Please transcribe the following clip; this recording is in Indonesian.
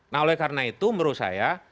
nah oleh karena itu menurut saya